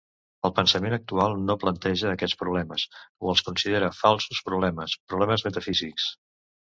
El pensament actual no planteja aquests problemes, o els considera falsos problemes, problemes metafísics.